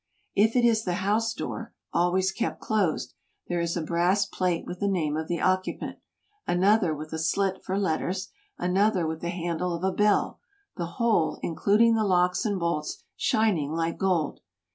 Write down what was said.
If it is the house door — always kept closed — there is a brass plate with the name of the occupant, another with a slit for letters, another with the handle of a bell, the whole, includ ing the locks and bolts, shining like gold.